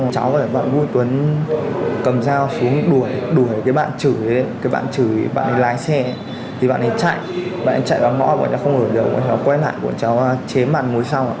cháu gọi mọi người quen lại cháu gọi mọi người quen lại cháu gọi mọi người quen lại